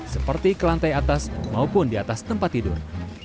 seperti ke lantai atas maupun di atas tempat tidur